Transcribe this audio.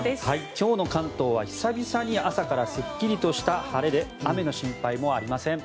今日の関東は久々に朝からすっきりとした晴れで雨の心配もありません。